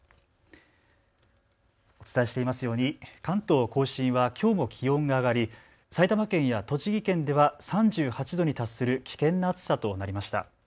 お伝えしていますように関東甲信はきょうも気温が上がり埼玉県や栃木県では３８度に達する危険な暑さとなりました。